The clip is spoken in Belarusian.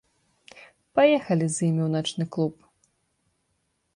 Паехалі з імі ў начны клуб.